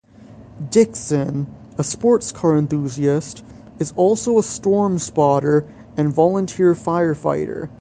Dixon, a sports car enthusiast, is also a storm spotter and volunteer firefighter.